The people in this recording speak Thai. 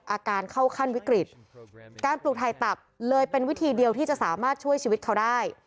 อาการเข้าขั้นวิกฤตการปลูกถ่ายตับเลยเป็นวิธีเดียวที่จะสามารถช่วยชีวิตเขาได้